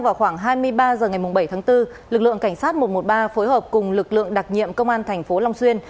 vào khoảng hai mươi ba h ngày bảy tháng bốn lực lượng cảnh sát một trăm một mươi ba phối hợp cùng lực lượng đặc nhiệm công an thành phố long xuyên